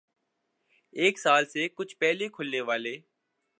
ایک سال سے کچھ پہلے کھلنے والے